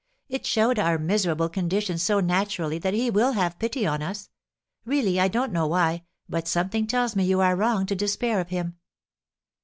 It showed our miserable condition so naturally that he will have pity on us. Really, I don't know why, but something tells me you are wrong to despair of him."